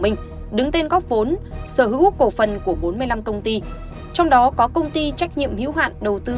minh đứng tên góp vốn sở hữu cổ phần của bốn mươi năm công ty trong đó có công ty trách nhiệm hữu hạn đầu tư